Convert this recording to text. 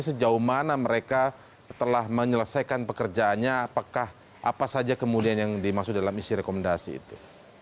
sejauh mana mereka telah menyelesaikan pekerjaannya apakah apa saja kemudian yang dimaksud dalam isi rekomendasi itu